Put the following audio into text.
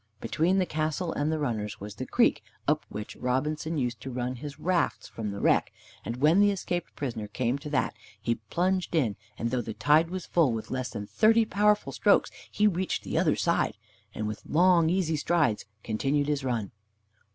Between the castle and the runners was the creek up which Robinson used to run his rafts from the wreck, and when the escaped prisoner came to that, he plunged in, and though the tide was full, with less than thirty powerful strokes he reached the other side, and with long easy strides continued his run.